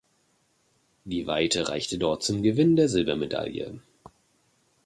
Die Weite reichte dort zum Gewinn der Silbermedaille.